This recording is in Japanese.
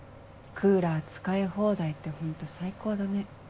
クーラー使い放題ってホント最高だね。